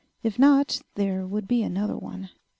If not, there would be another one....